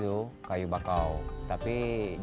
aturan ilang yang banyak air keurangan initiatives